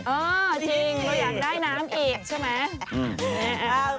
เออจริงเราอยากได้น้ำอีกใช่ไหม